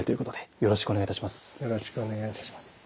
よろしくお願いします。